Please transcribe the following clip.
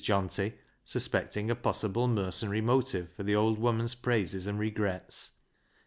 Johnty, suspecting a possible mercenary motive for the old woman's praises and regrets.